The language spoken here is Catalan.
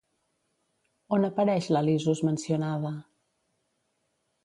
On apareix Ialisos mencionada?